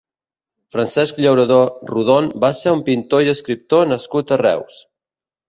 Francesc Llauradó Rodon va ser un pintor i escriptor nascut a Reus.